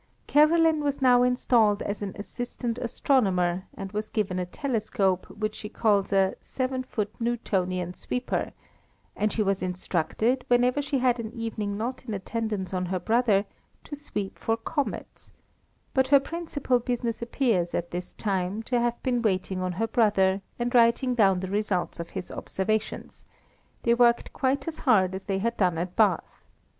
Caroline was now installed as an assistant astronomer, and was given a telescope, which she calls a "seven foot Newtonian Sweeper"; and she was instructed, whenever she had an evening not in attendance on her brother, to "sweep for comets"; but her principal business appears, at this time, to have been waiting on her brother, and writing down the results of his observations; they worked quite as hard as they had done at Bath.